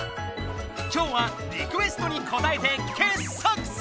今日はリクエストにこたえて傑作選！